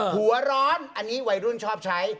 หัวร้อนอันนี้วัยรุ่นชอบใช้